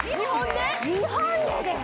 ２本でです